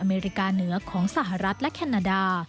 เมริกาเหนือของสหรัฐและแคนาดา